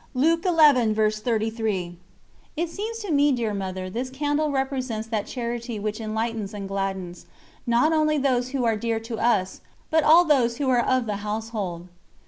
" It seems to me, dear Mother, this candle represents that charity which enlightens and gladdens, not only those who are dear to us, but all _those who are of the household.